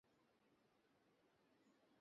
আমার কাছে আসো, মা।